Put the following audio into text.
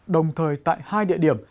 đồng thời tại hai địa điểm